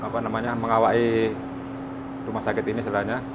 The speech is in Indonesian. kawat itu akan mengawai rumah sakit ini selainnya